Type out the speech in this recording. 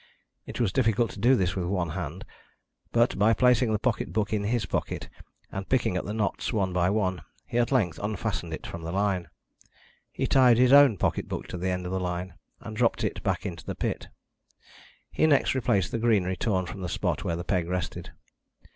It was difficult to do this with one hand, but, by placing the pocket book in his pocket, and picking at the knots one by one, he at length unfastened it from the line. He tied his own pocket book to the end of the line, and dropped it back into the pit. He next replaced the greenery torn from the spot where the peg rested.